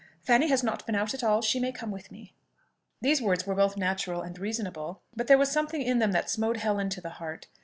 Fanny has not been out at all: she may come with me." These words were both natural and reasonable, but there was something in them that smote Helen to the heart.